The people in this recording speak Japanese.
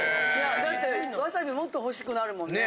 だってわさびもっと欲しくなるもんね。